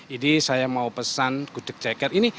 dua puluh ini saya mau pesan kudek ceker ini